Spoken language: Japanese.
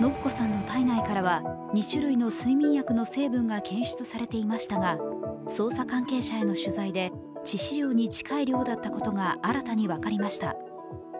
延子さんの体内からは２種類の睡眠薬の成分が検出されていましたが捜査関係者への取材で致死量に近い量だったことが新たに分かりました。